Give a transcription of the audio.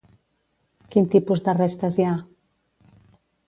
Quin tipus de restes hi ha?